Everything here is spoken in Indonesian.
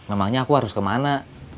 emangnya aku harus kemana